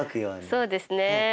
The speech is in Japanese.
そうですね。